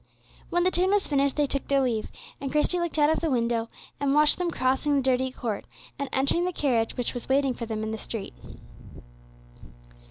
When the tune was finished, they took their leave, and Christie looked out of the window, and watched them crossing the dirty court, and entering the carriage which was waiting for them in the street.